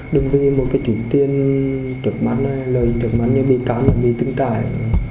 đừng vì một chủ tiên trực mắt lời trực mắt như bị cáo là bị tự trải